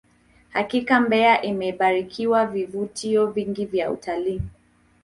hakika mbeya imebarikiwa vivutio vingi vya utalii